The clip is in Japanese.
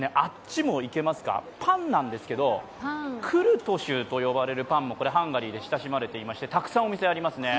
パンなんですけど、クルトシュと呼ばれるパンもハンガリーで親しまれていまして、たくさんお店ありますね。